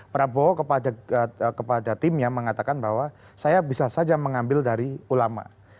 prabowo kepada tim yang mengatakan bahwa saya bisa saja mengambil dari ulama